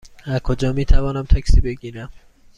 از کجا می توانم تاکسی بگیرم؟